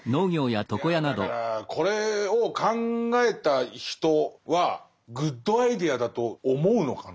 いやだからこれを考えた人はグッドアイデアだと思うのかな。